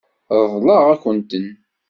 Ṛeḍlent-akent-ten.